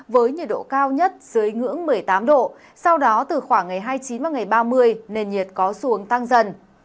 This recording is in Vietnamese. với nhiệt độ cao nhất dưới ngưỡng một mươi tám độ sau đó từ khoảng ngày hai mươi chín ba mươi nền nhiệt có xu hướng tăng dần